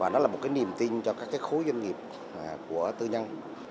và nó là một cái niềm tin cho các khối doanh nghiệp của tư nhân